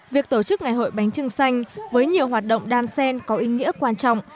việc tổ chức ngày hội bánh trưng xanh với nhiều hoạt động đan sen có ý nghĩa quan trọng